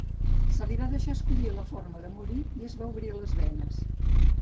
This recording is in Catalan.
Se li va deixar escollir la forma de morir i es va obrir les venes.